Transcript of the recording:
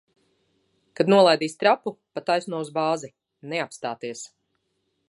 Kad nolaidīs trapu, pa taisno uz bāzi. Neapstāties!